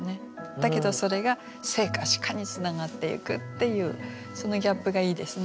だけどそれが「生か死か」につながっていくっていうそのギャップがいいですね。